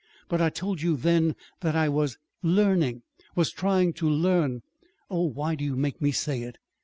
"But I told you then that I was was learning was trying to learn Oh, why do you make me say it?"